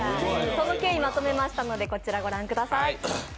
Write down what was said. その経緯、まとめましたのでこちら、ご覧ください。